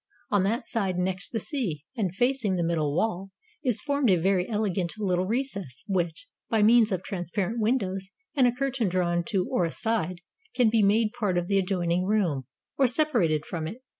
On that side next the sea, and facing the middle wall, is formed a very elegant little recess, which, by means of transparent windows and a curtain drawn to or aside, can be made part of the adjoining room, or separated from it.